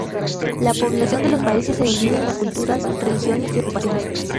La población de los países se dividen en las culturas, religiones y ocupaciones.